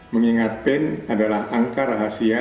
mengingat band adalah angka rahasia